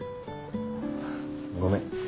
ごめん